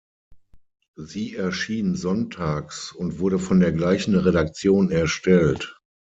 Sie erschien sonntags und wurde von der gleichen Redaktion erstellt.